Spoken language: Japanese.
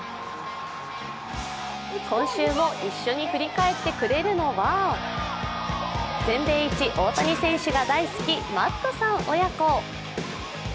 今週も一緒に振り返ってくれるのは全米イチ大谷選手が大好き、マットさん親子。